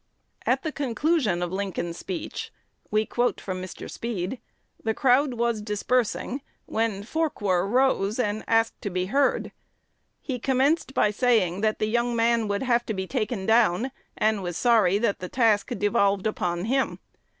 "At the conclusion of Lincoln's speech" (we quote from Mr. Speed), "the crowd was dispersing, when Forquer rose and asked to be heard. He commenced by saying that the young man would have to be taken down, and was sorry that the task devolved upon him.